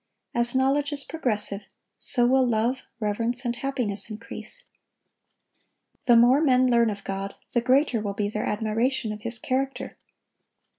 As knowledge is progressive, so will love, reverence, and happiness increase. The more men learn of God, the greater will be their admiration of His character.